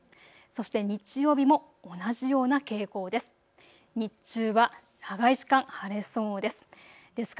そして日曜日も同じような傾向です。